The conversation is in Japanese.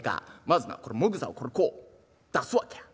まずなこれもぐさをこれこう出すわけや。